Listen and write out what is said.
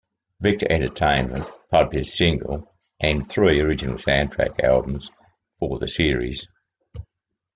Victor Entertainment published a single and three original soundtrack albums for the series.